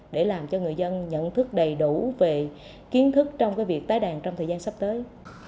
để làm cho người dân nhận thức đầy đủ về kiến thức trong việc tái đàn trong thời gian sắp tới